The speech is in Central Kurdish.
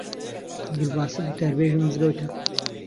عەبدولباست وتاربێژی مزگەوتە